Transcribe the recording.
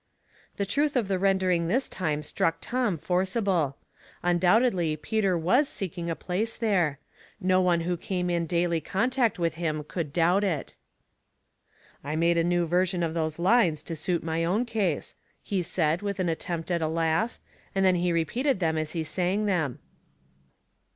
The truth of the rendering this time struck Tom forcible. Undoubtedly Peter was seeking a place there ; no one who came in daily contact with him could doubt it. *' I made a new version of those lines to suit my own case," he said, with an attempt at a 132 Household Puzzles. laugh, and then he repeated them as he sang them.